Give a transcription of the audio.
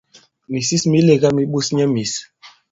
Mìsis mi lēgā mi ɓos nyɛ i mīs.